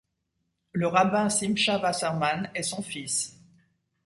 Le rabbin Simcha Wasserman est son fils.